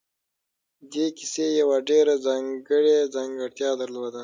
دې کیسې یوه ډېره ځانګړې ځانګړتیا درلوده